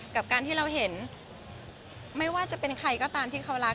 กับการที่เราเห็นไม่ว่าจะเป็นใครก็ตามที่เขารัก